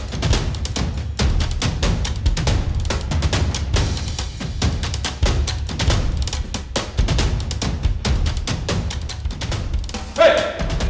hei apa yang berlaku disini